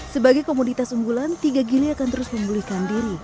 sebagai komoditas unggulan tiga gili akan terus memulihkan diri